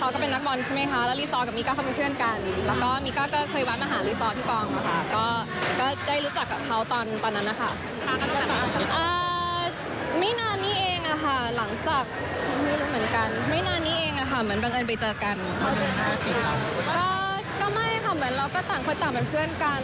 ก็ไม่ค่ะเหมือนเราก็ต่างคนต่างเป็นเพื่อนกัน